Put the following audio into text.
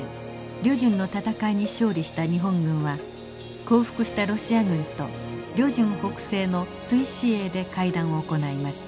旅順の戦いに勝利した日本軍は降伏したロシア軍と旅順北西の水師営で会談を行いました。